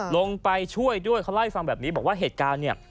ลงไปช่วยด้วยเขาเล่าให้ฟังแบบนี้บอกว่าเหตุการณ์เนี่ย